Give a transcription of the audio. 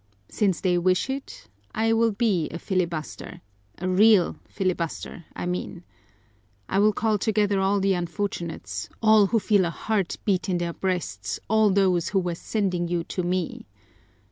Since they wish it, I will be a filibuster, a real filibuster, I mean. I will call together all the unfortunates, all who feel a heart beat in their breasts, all those who were sending you to me.